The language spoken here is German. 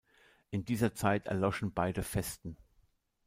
In dieser Zeit erloschen beide Festen.